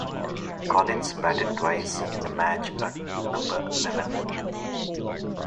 Collins batted twice in the match at number eleven.